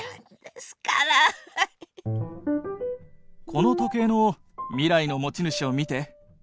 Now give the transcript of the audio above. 「この時計の未来の持ち主を見て！」。